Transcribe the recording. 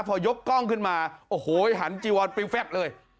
พอยกกล้องขึ้นมาโอ้โหหันจีวอนปิวแฟบเลย